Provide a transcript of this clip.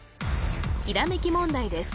ひらめき問題です